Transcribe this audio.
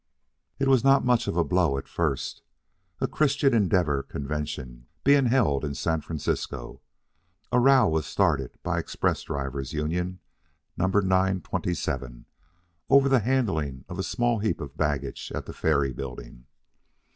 It was not much of a blow at first. A Christian Endeavor convention being held in San Francisco, a row was started by Express Drivers' Union No. 927 over the handling of a small heap of baggage at the Ferry Building.